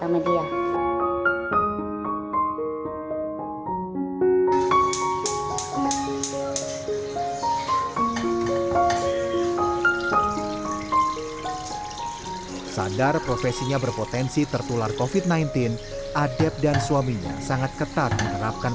media sadar profesinya berpotensi tertular kofit sembilan belas adep dan suaminya sangat ketat menerapkan